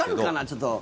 ちょっと。